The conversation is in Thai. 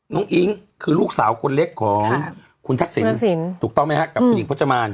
อิ๊งคือลูกสาวคนเล็กของคุณทักษิณถูกต้องไหมฮะกับคุณหญิงพจมาน